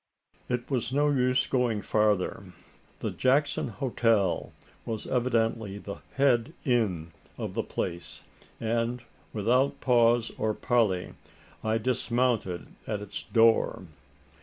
It was no use going farther. The "Jackson Hotel" was evidently the "head inn" of the place; and without pause or parley, I dismounted at its door.